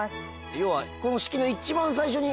要は。